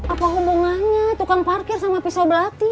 apa hubungannya tukang parkir sama pisau belati